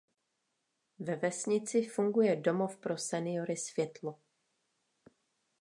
Ve vesnici funguje Domov pro seniory Světlo.